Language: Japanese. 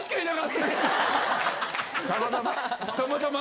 たまたま？